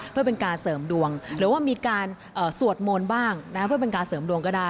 เพื่อเป็นการเสริมดวง